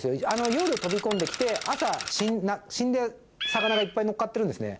夜飛び込んできて朝死んだ魚がいっぱいのっかってるんですね。